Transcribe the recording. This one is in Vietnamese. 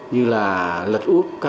như là lật úp các